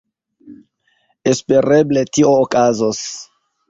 Espereble tio okazos.